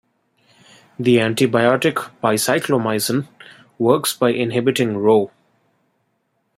The antibiotic bicyclomycin works by inhibiting Rho.